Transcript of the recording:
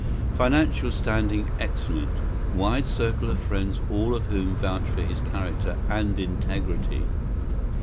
Financial standing excellent. Wide circle of friends, all of whom vouch for his character and integrity."